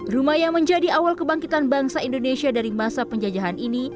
rumah yang menjadi awal kebangkitan bangsa indonesia dari masa penjajahan ini